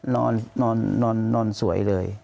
นอนนอนสวยเลย